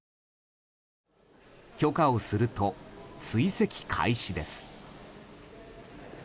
許可をすると、追跡開始です。